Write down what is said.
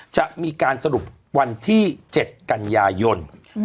จะมีการสรุปวันที่๗กันยายน